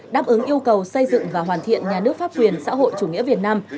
đáp ứng yêu cầu xây dựng và hoàn thiện nhà nước pháp quyền xã hội chủ nghĩa việt nam